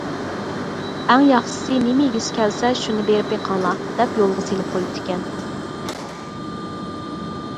ئەڭ ياخشىسى نېمە يېگۈسى كەلسە شۇنى بېرىپ بېقىڭلار دەپ يولغا سېلىپ قويۇپتىكەن.